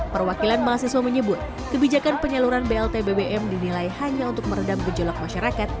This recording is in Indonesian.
perwakilan mahasiswa menyebut kebijakan penyaluran blt bbm dinilai hanya untuk meredam gejolak masyarakat